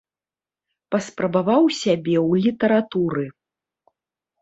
Паспрабаваў сябе ў літаратуры.